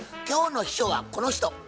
今日の秘書はこの人。